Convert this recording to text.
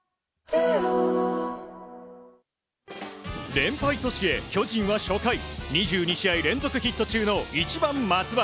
連敗阻止へ、巨人は初回２２試合連続ヒット中の１番、松原。